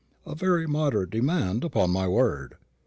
"A very moderate demand, upon my word!"